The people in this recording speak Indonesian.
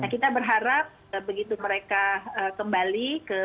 kita berharap begitu mereka kembali ke wilayah